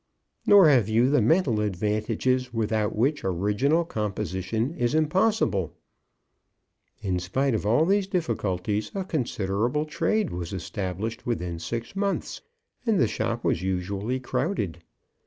"Nor have you the mental advantages without which original composition is impossible." In spite of all these difficulties a considerable trade was established within six months, and the shop was usually crowded.